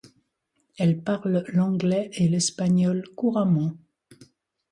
Elle parle l'anglais et l'espagnol couramment.